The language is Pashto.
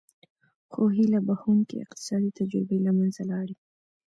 خو هیله بښوونکې اقتصادي تجربې له منځه لاړې.